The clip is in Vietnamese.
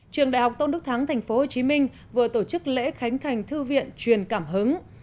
trường đại học tôn đức thắng tp hcm vừa tổ chức lễ khánh thành thư viện truyền cảm hứng